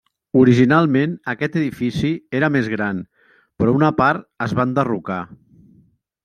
Originalment aquest edifici era més gran, però una part es va enderrocar.